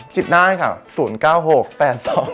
สิทธิ์หน้าค่ะ๐๙๖๘๒๘